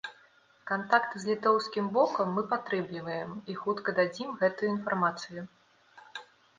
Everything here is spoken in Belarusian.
Кантакты з літоўскім бокам мы падтрымліваем і хутка дадзім гэтую інфармацыю.